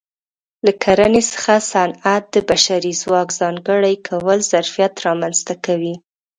له کرنې څخه صنعت ته د بشري ځواک ځانګړي کول ظرفیت رامنځته کوي